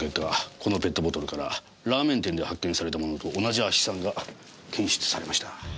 このペットボトルからラーメン店で発見されたものと同じ亜ヒ酸が検出されました。